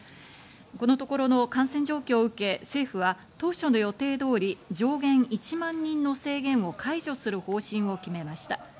このところの感染状況を受け、政府は当初の予定通り上限１万人の制限を解除する方針を決めました。